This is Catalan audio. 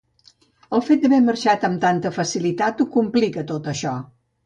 El fet d’haver marxat amb tanta facilitat ho complica, tot això.